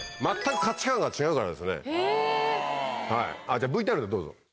じゃあＶＴＲでどうぞ。